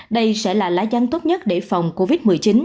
đây sẽ là lá dăn tốt nhất để phòng covid một mươi chín